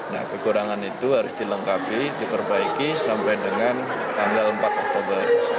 nah kekurangan itu harus dilengkapi diperbaiki sampai dengan tanggal empat oktober